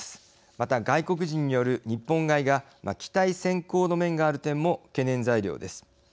また、外国人による日本買いが期待先行の面がある点も懸念材料です。